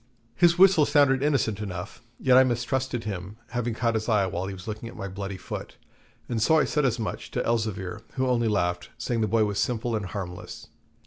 His whistle sounded innocent enough, yet I mistrusted him, having caught his eye when he was looking at my bloody foot; and so I said as much to Elzevir, who only laughed, saying the boy was simple and harmless.